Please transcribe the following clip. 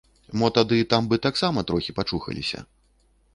Мо тады там бы таксама трохі пачухаліся.